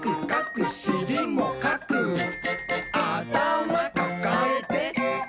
「あたまかかえて」